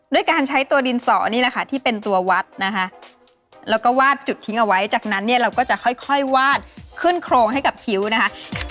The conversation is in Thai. ด้วยการใช้ตัวดินสอนี่แหละค่ะที่เป็นตัววัดนะคะแล้วก็วาดจุดทิ้งเอาไว้จากนั้นเนี่ยเราก็จะค่อยวาดขึ้นโครงให้กับคิ้วนะคะ